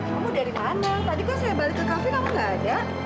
kamu dari mana tadi kan saya balik ke kafe kamu tidak ada